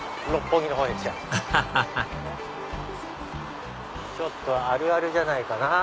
アハハハハちょっとあるあるじゃないかな。